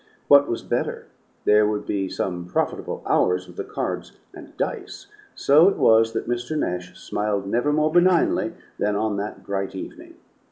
What was better, there would be some profitable hours with the cards and dice. So it was that Mr. Nash smiled never more benignly than on that bright evening.